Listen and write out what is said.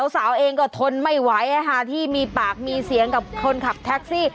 สาวเองก็ทนไม่ไหวที่มีปากมีเสียงกับคนขับแท็กซี่